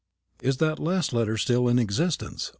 "Is that last letter still in existence?"